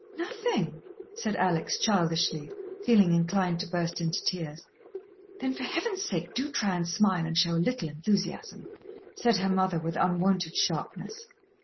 "Nothing," said Alex childishly, feeling inclined to burst into tears. "Then for Heaven's sake do try and smile and show a little enthusiasm," said her mother with unwonted sharpness.